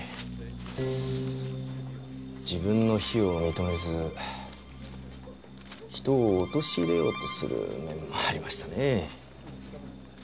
自分の非を認めず人を陥れようとする面もありましたね。